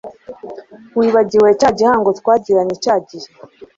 wibagiwe cya gihango twagiranye cyagihe